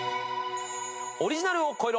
オリジナルを超えろ！